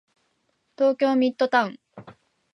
東京ミッドタウン